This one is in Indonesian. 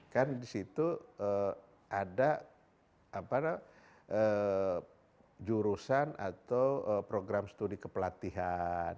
kan di situ ada jurusan atau program studi kepelatihan